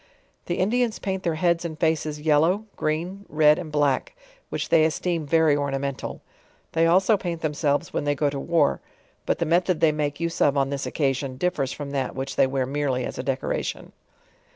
The Indians paint their heads and faces yellow, green, red and black; which they esioem very ornamental. They also paint themselves when they go to war; but the method they make use of on this occasion di tiers from that which they wear merely as a decoration.